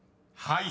［はい］